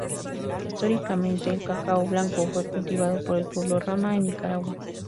Históricamente, el cacao blanco fue cultivado por el pueblo Rama en Nicaragua.